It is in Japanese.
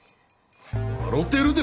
笑うてるで。